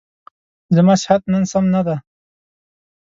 زما صحت نن سم نه دی.